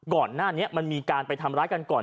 ก่อนหน้านี้มันมีการไปทำร้ายกันก่อน